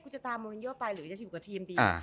เฮมุนเยอร์ไปหรืออยู่กับทีมสิ